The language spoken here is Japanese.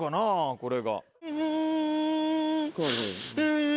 これが。